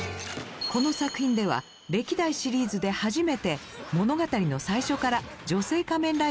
この作品では歴代シリーズで初めて物語の最初から女性仮面ライダーが登場しました。